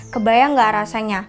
kebayang gak rasanya